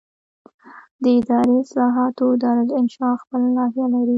د اداري اصلاحاتو دارالانشا خپله لایحه لري.